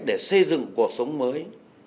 để xây dựng cuộc sống mới